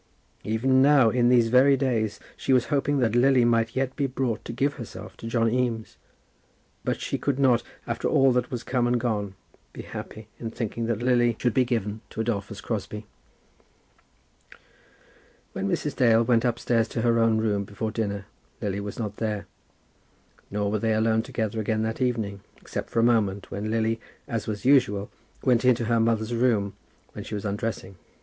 Even now, in these very days, she was hoping that Lily might yet be brought to give herself to John Eames. But she could not, after all that was come and gone, be happy in thinking that Lily should be given to Adolphus Crosbie. When Mrs. Dale went upstairs to her own room before dinner Lily was not there; nor were they alone together again that evening, except for a moment, when Lily, as was usual, went into her mother's room when she was undressing.